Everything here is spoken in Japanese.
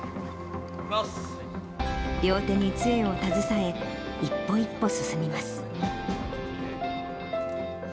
両手につえを携え、一歩一歩進みます。